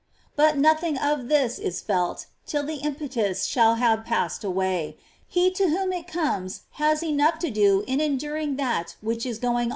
^ 14. But nothing of all this is felt till the impetus tiiCTeof. ^^slW have passed away. He to whom it comes has enough to do in enduring that which is going on ^ Life, ch.